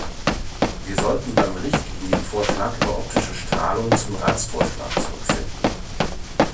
Wir sollten beim Richtlinienvorschlag über optische Strahlung zum Ratsvorschlag zurückfinden.